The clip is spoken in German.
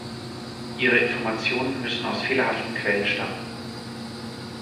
Ihre Informationen müssen aus fehlerhaften Quellen stammen.